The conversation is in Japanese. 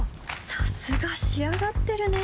さすが仕上がってるね